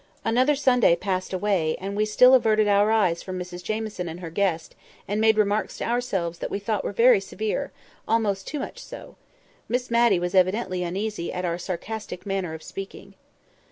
Another Sunday passed away, and we still averted our eyes from Mrs Jamieson and her guest, and made remarks to ourselves that we thought were very severe—almost too much so. Miss Matty was evidently uneasy at our sarcastic manner of speaking.